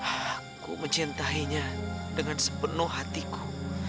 aku mencintainya dengan sepenuh hatiku